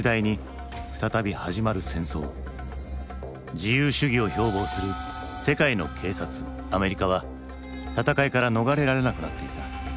自由主義を標ぼうする世界の警察アメリカは戦いから逃れられなくなっていた。